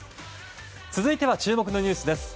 続いては、注目のニュースです。